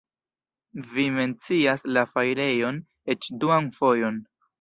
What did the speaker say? Vi mencias la fajrejon eĉ duan fojon.